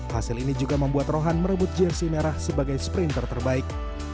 hasil ini juga membuat rohan merebut jersi merah sebagai sprinter terbaik